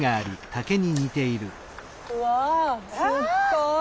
うわすっごい。